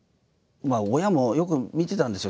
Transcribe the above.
親もよく見てたんですよ。